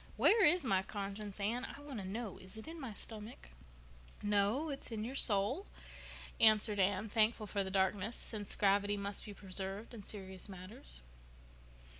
Where is my conscience, Anne? I want to know. Is it in my stomach?" "No, it's in your soul," answered Anne, thankful for the darkness, since gravity must be preserved in serious matters.